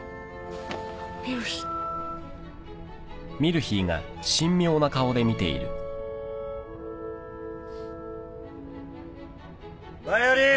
ミルヒー！？バイオリン！